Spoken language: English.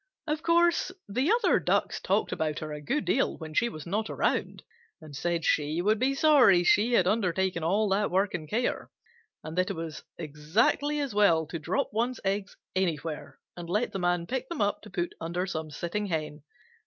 Of course the other Ducks talked about her a good deal when she was not around, and said she would be sorry she had undertaken all that work and care, and that it was exactly as well to drop one's eggs anywhere and let the Man pick them up to put under some sitting Hen.